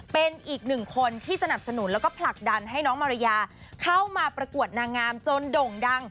เป็นอีกหนึ่งคนที่สนับสนุนแล้วก็ผลักดันให้น้องมารยาเข้ามาประกวดนางงามจนโด่งดัง